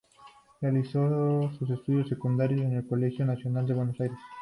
Realizó sus estudios secundarios en el Colegio Nacional Buenos Aires.